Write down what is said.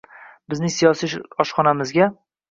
Bizning siyosiy oshxonamizga